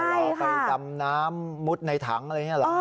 ใช่ค่ะไปจำน้ำมุดในถังอะไรอย่างเงี้ยหรออ้อ